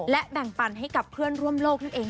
และแบ่งปันให้กับเพื่อนร่วมโลกนั่นเอง